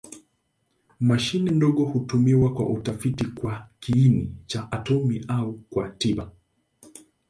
Mashine ndogo hutumiwa kwa utafiti kwa kiini cha atomi au kwa tiba.